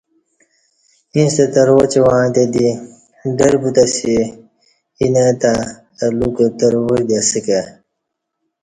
ہیݩستہ ترواچ وعݩتے دی ڈر بوتہ اسی اینہ تہ اہ لوکہ ترواچ دی اسہ کہ